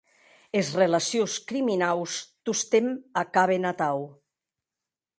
Es relacions criminaus tostemp acaben atau.